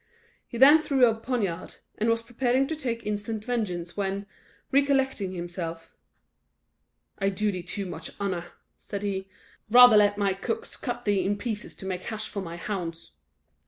He then drew a poniard, and was preparing to take instant vengeance, when, recollecting himself "I do thee too much honour," said he; "rather let my cooks cut thee in pieces to make a hash for my hounds."